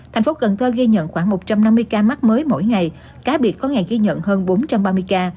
thành phố cần thơ ghi nhận khoảng một trăm năm mươi ca mắc mới mỗi ngày cá biệt có ngày ghi nhận hơn bốn trăm ba mươi ca